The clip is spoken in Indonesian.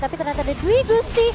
tapi ternyata ada dwi gusti